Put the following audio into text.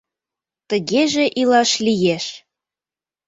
Тыгеже илаш лиеш!..